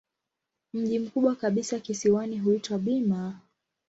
Mji mkubwa kabisa kisiwani huitwa Bima.